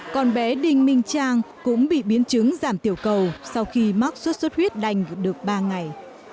còn bé đinh minh trang cũng bị biến chứng giảm tiểu cầu sau khi mắc sốt xuất huyết đanh được ba ngày